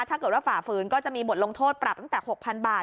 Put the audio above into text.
ฝ่าฝืนก็จะมีบทลงโทษปรับตั้งแต่๖๐๐๐บาท